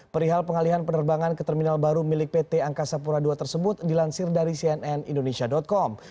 perihal pengalihan penerbangan ke terminal baru milik pt angkasa pura ii tersebut dilansir dari cnn indonesia com